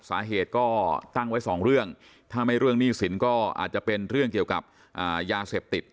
สาเหตุก็ตั้งไว้สองเรื่องถ้าไม่เรื่องหนี้สินก็อาจจะเป็นเรื่องเกี่ยวกับยาเสพติด